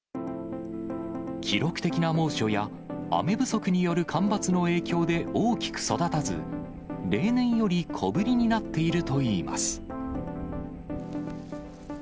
記録的な猛暑や雨不足による干ばつの影響で大きく育たず、例年より小ぶりになっているといいます。